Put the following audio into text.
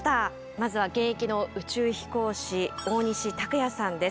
まずは現役の宇宙飛行士大西卓哉さんです。